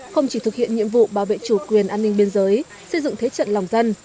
không chỉ thực hiện nhiệm vụ bảo vệ chủ quyền an ninh biên giới xây dựng thế trận lòng dân